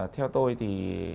theo tôi thì